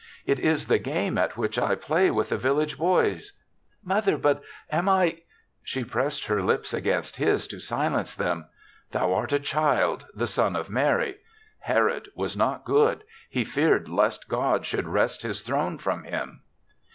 " It is the game at which I play with the village boys. Mother, but am I ?" She pressed her lips against his to silence them. " Thou art a child, the son of Mary. Herod was not good; he feared lest God should wrest his throne from him."